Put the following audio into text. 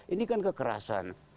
ini kan kekerasan